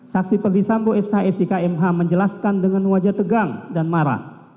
saksi perdisambo s i k m h menjelaskan dengan wajah tegang dan marah